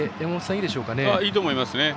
いいと思います。